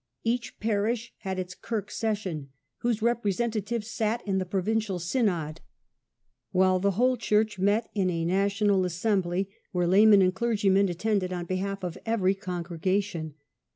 ^^^* Each parish had its "kirk session", whose representatives sat in the Provincial Synod; while the whole church met in a National Assembly, where laymen and clergymen attended on behalf of every congregation.